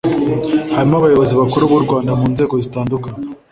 harimo abayobozi bakuru b’u Rwanda mu nzego zitandukanye